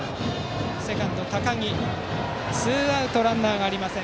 セカンド高木がつかんでツーアウト、ランナーありません。